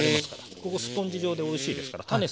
ここスポンジ状でおいしいですから種さえ取ればね